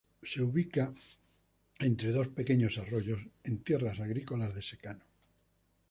Se ubica entre dos pequeños arroyos, en tierras agrícolas de secano.